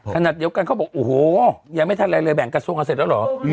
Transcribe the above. ขนาดเดียวกันเขาบอกโอ้โหยังไม่ทันอะไรเลยแบ่งกระทรวงกันเสร็จแล้วเหรอ